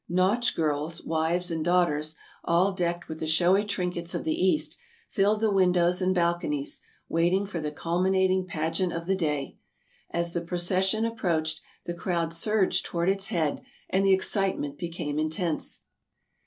Nautch girls, wives, and daughters, all decked with the showy trinkets of the East, filled the windows and bal conies, waiting for the culminating pageant of the day. As the procession approached, the crowd surged toward its head, and the excitement became intense.